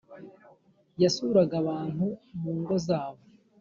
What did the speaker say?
yasuraga abantu mungo zabo...